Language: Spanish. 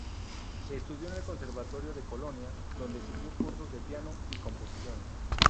Estudió en el Conservatorio de Colonia, donde siguió cursos de piano y composición.